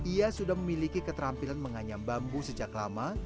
ia sudah memiliki keterampilan menganyam bambu sejak lama